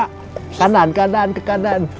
kanan kanan ke kanan